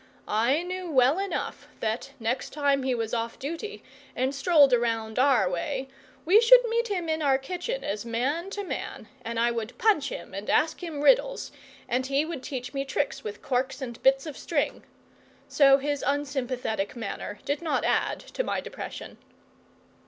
I knew well enough that next time he was off duty, and strolled around our way, we should meet in our kitchen as man to man, and I would punch him and ask him riddles, and he would teach me tricks with corks and bits of string. So his unsympathetic manner did not add to my depression.